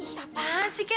ih apaan sih kek